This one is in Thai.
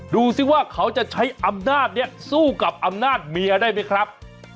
ดูสิว่าเขาจะใช้อำนาจนี้สู้กับอำนาจเมียได้ไหมครับ